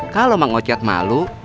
kalau mang ocat malu